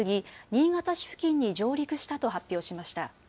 新潟市付近に上陸したと発表しました。